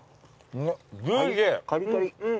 うまっ！